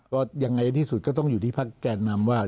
ก็ยังไงที่สุดก็ต้องอยู่ที่พักแกนนำว่า